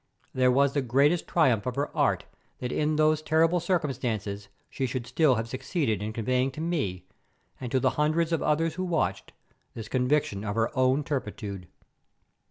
There was the greatest triumph of her art, that in those terrible circumstances she should still have succeeded in conveying to me, and to the hundreds of others who watched, this conviction of her own turpitude.